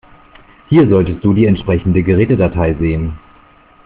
Hier solltest du die entsprechende Gerätedatei sehen.